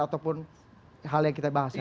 ataupun hal yang kita bahas